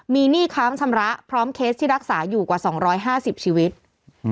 มีหนี้ค้างชำระพร้อมเคสที่รักษาอยู่กว่าสองร้อยห้าสิบชีวิตอืม